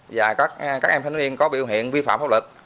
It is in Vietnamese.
và các em thanh thiếu niên có biểu hiện vi phạm pháp luật